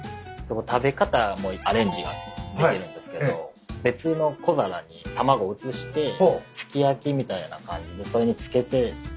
食べ方もアレンジができるんですけど別の小皿に卵を移してすき焼きみたいな感じでそれに付けて。